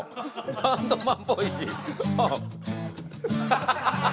バンドマンっぽいし。